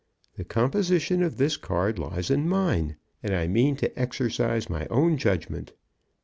The composition of this card lies in mine, and I mean to exercise my own judgment."